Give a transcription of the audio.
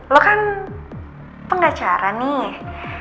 lo kan pengacara nih